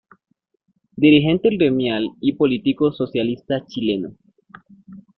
Dirigente gremial y político socialista chileno.